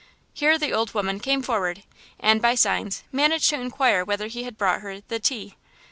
Here the old woman came forward, and, by signs, managed to inquire whether he had brought her "the tea."